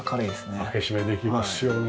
開け閉めできますよね。